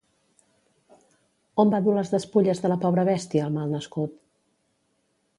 On va dur les despulles de la pobra bèstia, el mal nascut?